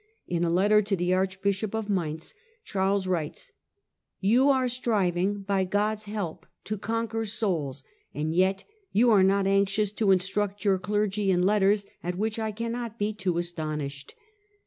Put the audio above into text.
In a letter' to the Archbishop of Mainz Charles writes: " You are striving by God's help to conquer souls, and yet you are not anxious to instruct your clergy in letters, at which I cannot be too astonished.